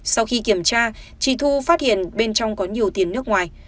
sau khi kiểm tra chị thu phát hiện bên trong có nhiều tiền nước ngoài